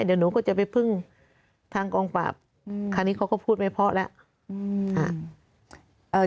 เดี๋ยวหนูก็จะไปพึ่งทางกองปราบคราวนี้เขาก็พูดไม่เพราะแล้ว